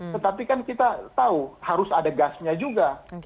tetapi kan kita tahu harus ada gasnya juga